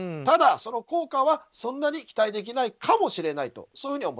ただ、その効果はそんなに期待できかもしれない。